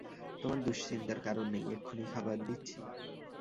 তোমার দুশ্চিন্তার কারণ নেই-এক্ষুণি খাবার দিচ্ছি।